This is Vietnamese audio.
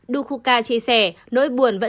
dukhuka chia sẻ nỗi buồn vẫn chẳng hạn